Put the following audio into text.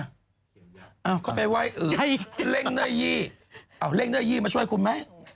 เอาไปไหว้เร่งเนื้อยี่เอาเร่งเนอร์ยี่มาช่วยคุณไหม